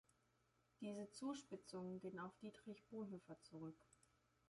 Diese Zuspitzung ging auf Dietrich Bonhoeffer zurück.